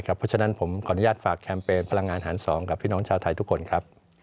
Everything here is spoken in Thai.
เพราะฉะนั้นผมขออนุญาตฝากแคมเปญพลังงานหาร๒กับพี่น้องชาวไทยทุกคนครับ